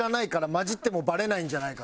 交じってもバレないんじゃないか。